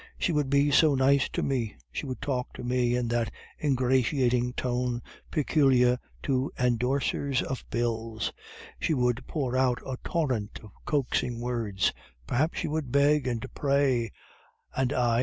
She would be so nice to me, she would talk to me in that ingratiating tone peculiar to endorsers of bills, she would pour out a torrent of coaxing words, perhaps she would beg and pray, and I...